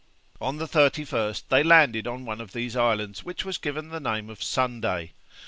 On the 31st they landed on one of these islands, to which was given the name of 'Sunday.'